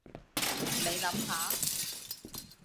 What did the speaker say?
你諗下